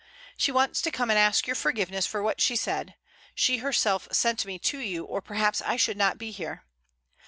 She wants to come and ask your forgiveness for what she said, she herself sent me to you, or perhaps I should not be here.